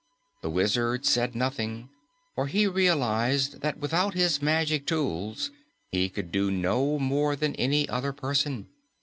The Wizard said nothing, for he realized that without his magic tools he could do no more than any other person.